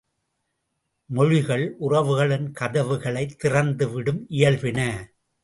மொழிகள் உறவுகளின் கதவுகளைச் திறந்துவிடும் இயல்பின.